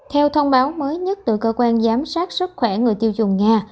theo thông báo mới nhất từ cơ quan giám sát sức khỏe người tiêu dùng nga